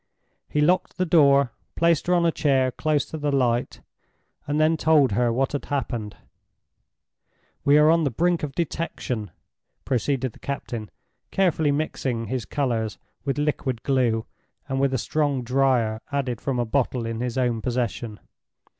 He locked the door, placed her on a chair close to the light, and then told her what had happened. "We are on the brink of detection," proceeded the captain, carefully mixing his colors with liquid glue, and with a strong "drier" added from a bottle in his own possession.